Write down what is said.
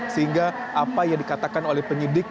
sehingga apa yang dikatakan oleh penyidik